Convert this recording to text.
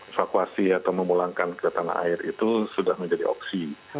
evakuasi atau memulangkan ke tanah air itu sudah menjadi opsi